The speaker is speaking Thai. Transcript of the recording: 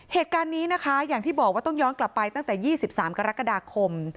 เหตุการณ์นี้นะคะอย่างที่บอกว่าต้องย้อนกลับไปตั้งแต่๒๓กรกฎาคม